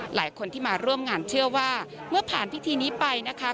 หลายคนที่มาร่วมงานเชื่อว่าเมื่อผ่านพิธีนี้ไปนะคะ